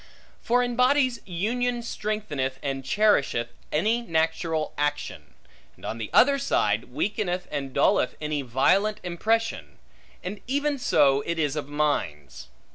For in bodies, union strengtheneth and cherisheth any natural action; and on the other side, weakeneth and dulleth any violent impression: and even so it is of minds.